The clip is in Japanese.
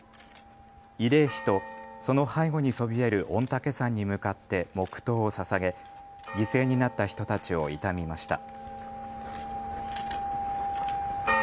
慰霊碑とその背後にそびえる御嶽山に向かって黙とうをささげ犠牲になった人たちを悼みました。